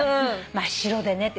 真っ白でねって。